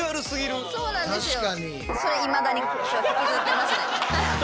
それいまだに引きずってますね。